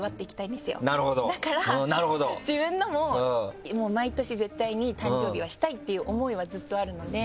だから自分のも毎年絶対に誕生日はしたいっていう思いはずっとあるので。